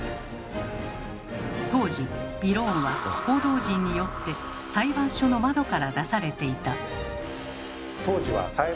当時びろーんは報道陣によって裁判所の窓から出されていた。